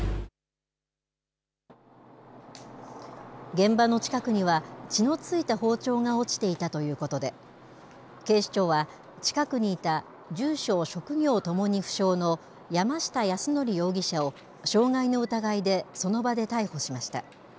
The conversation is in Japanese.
現場の近くには、血のついた包丁が落ちていたということで、警視庁は、近くにいた住所、職業ともに不詳の山下泰範容疑者を、傷害の疑いでその場で逮捕しました。